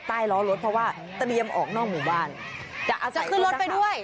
ล้อรถเพราะว่าเตรียมออกนอกหมู่บ้านจะเอาจะขึ้นรถไปด้วย